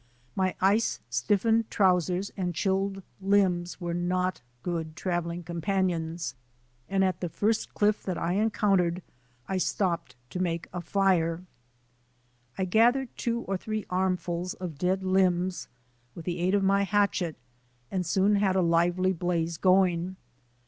My ice stiffened trousers and chilled limbs were not good travelling companions, and at the first cliff that I encountered I stopped to make a tire. i 4 THE ADVENTURES OF A NATURE GUIDE I gathered two or three armfuls of dead limbs, with the aid of my hatchet, and soon had a lively blaze going.